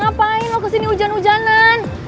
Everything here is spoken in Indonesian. ngapain lo kesini ujan ujanan